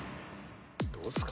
どうっすか？